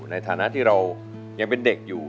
ในฐานะที่เรายังเป็นเด็กอยู่